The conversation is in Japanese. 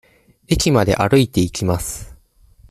駅まで歩いていきます。